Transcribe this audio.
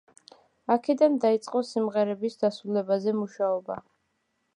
აქედან დაიწყო სიმღერების დასრულებაზე მუშაობა.